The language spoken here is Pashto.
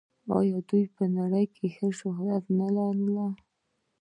آیا دوی په نړۍ کې ښه شهرت نلري؟